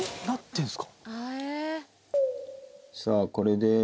馬場：さあ、これで。